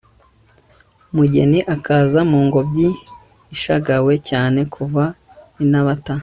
umugeni akaza mu ngobyi ishagawe cyane kuva i nabata